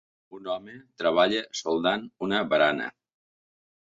Un home treballa soldant una barana.